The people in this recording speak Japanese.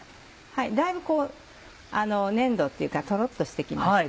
だいぶ粘度っていうかとろっとして来ました。